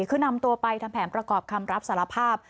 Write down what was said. คือนำตัวไปทำแผนประกอบคำรับสารภาพ